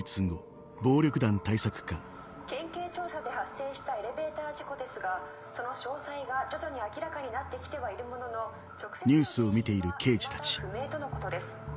県警庁舎で発生したエレベーター事故ですがその詳細が徐々に明らかになってきてはいるものの直接の原因はいまだ不明とのことです。